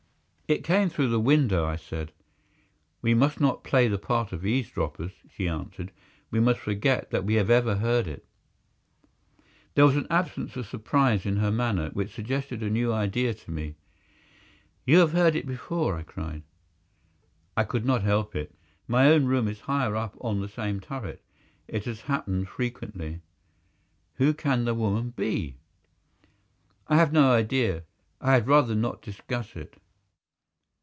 "It came through the window," I said. "We must not play the part of eavesdroppers," she answered. "We must forget that we have ever heard it." There was an absence of surprise in her manner which suggested a new idea to me. "You have heard it before," I cried. "I could not help it. My own room is higher up on the same turret. It has happened frequently." "Who can the woman be?" "I have no idea. I had rather not discuss it."